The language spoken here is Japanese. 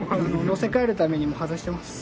乗せ換えるために外してます。